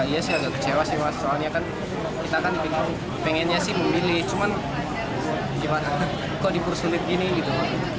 iya sih agak kecewa sih mas soalnya kan kita kan pengennya sih memilih cuman gimana kok dipersulit gini gitu